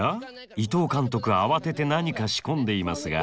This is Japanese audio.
伊藤監督慌てて何か仕込んでいますが。